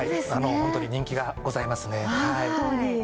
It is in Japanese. ホントに人気がございますね。